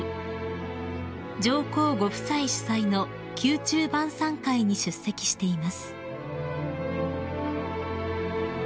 ［上皇ご夫妻主催の宮中晩さん会に出席しています］